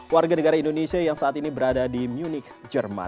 warga negara indonesia yang saat ini berada di munik jerman